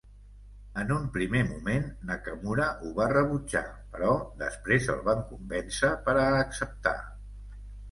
En un primer moment, Nakamura ho va rebutjar, però després el van convèncer per a acceptar.